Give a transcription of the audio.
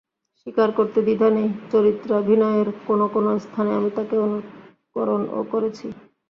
স্বীকার করতে দ্বিধা নেই, চরিত্রাভিনয়ের কোনো কোনো স্থানে আমি তাঁকে অনুকরণও করেছি।